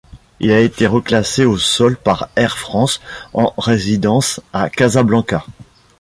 Il a été reclassé au sol par Air France en résidence à Casablanca.